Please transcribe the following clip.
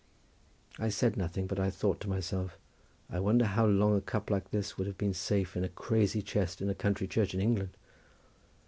I said nothing, but I thought to myself:—"I wonder how long a cup like this would have been safe in a crazy chest in a country church in England."